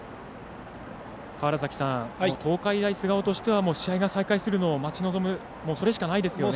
川原崎さん、東海大菅生としては試合が再開するのを待ち望む、それしかないですよね。